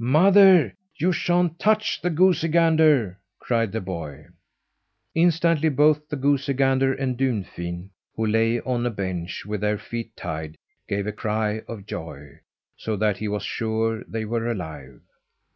"Mother, you sha'n't touch the goosey gander!" cried the boy. Instantly both the goosey gander and Dunfin, who lay on a bench with their feet tied, gave a cry of joy, so that he was sure they were alive.